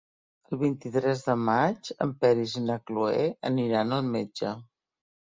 El vint-i-tres de maig en Peris i na Cloè aniran al metge.